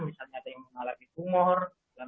misalnya ada yang mengalami tumor